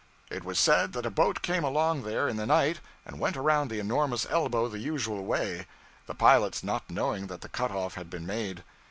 It was said that a boat came along there in the night and went around the enormous elbow the usual way, the pilots not knowing that the cut off had been made.